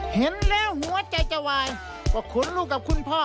เห็นแล้วหัวใจจะวายก็ขนลูกกับคุณพ่อ